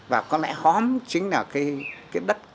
và có lẽ hóm chính là cái đất